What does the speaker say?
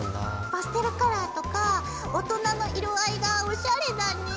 パステルカラーとか大人の色合いがおしゃれだね。